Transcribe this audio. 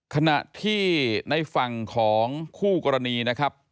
ขณะที่ในฝั่งของคู่กรณีนะครับ